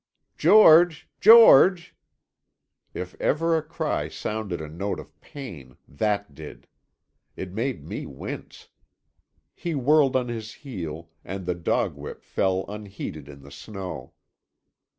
"George, George!" If ever a cry sounded a note of pain, that did. It made me wince. He whirled on his heel, and the dog whip fell unheeded in the snow.